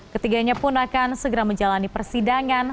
ketiganya pun akan segera menjalani persidangan